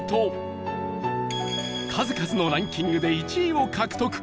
数々のランキングで１位を獲得！